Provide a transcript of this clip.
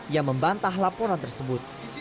ia membantah laporan tersebut